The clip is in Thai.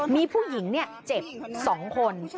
มีผู้หญิงเนี่ยเจ็บสองคน